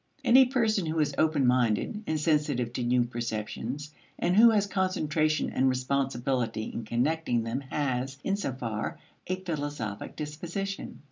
Any person who is open minded and sensitive to new perceptions, and who has concentration and responsibility in connecting them has, in so far, a philosophic disposition.